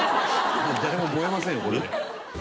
誰も萌えませんよ。